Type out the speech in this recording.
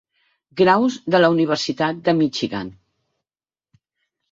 graus de la Universitat de Michigan.